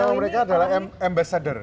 karena mereka adalah ambassador